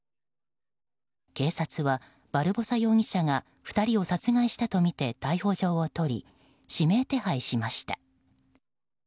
警察は、バルボサ容疑者が２人を殺害したとみて逮捕状を取り、指名手配しました。